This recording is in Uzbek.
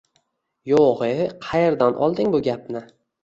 - Yo'g'e, qayerdan olding bu gapni?!